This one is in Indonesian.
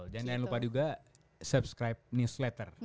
jangan lupa juga subscribe newsletter